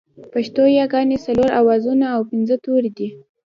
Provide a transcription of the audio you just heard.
پښتو ياگانې څلور آوازونه او پينځه توري دي